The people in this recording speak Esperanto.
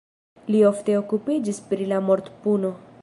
Li ofte okupiĝis pri la mortpuno.